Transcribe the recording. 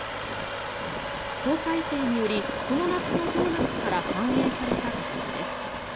法改正によりこの夏のボーナスから反映された形です。